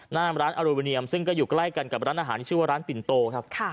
หน้าร้านอลูมิเนียมซึ่งก็อยู่ใกล้กันกับร้านอาหารที่ชื่อว่าร้านปิ่นโตครับ